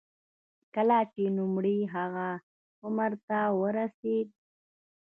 کله چې نوموړی هغه عمر ته ورسېد.